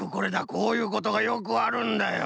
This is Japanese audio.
こういうことがよくあるんだよ。